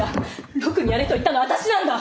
六にやれと言ったのは私なんだ。